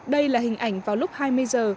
đây là hình ảnh vào lúc hai mươi giờ